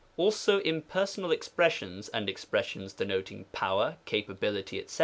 Also impei'sonal expres sions, and expressions denoting power ^ capability^ &c. Kc.